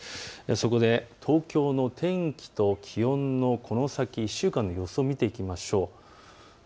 そこで東京の天気と気温、この先１週間の予想を見ていきましょう。